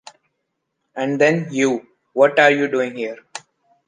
And then, you, what are you doing here?